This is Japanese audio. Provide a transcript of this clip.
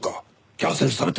キャンセルされて。